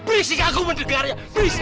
berisik aku menjelangnya